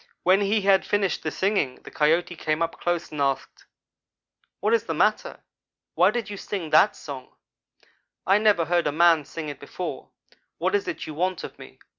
When he had finished the singing, the Coyote came up close and asked: "'What is the matter? Why do you sing that song? I never heard a man sing it before. What is it you want of me?'